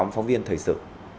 nhóm phóng viên thời sự